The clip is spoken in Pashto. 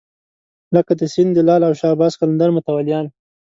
لکه د سیند د لعل او شهباز قلندر متولیان.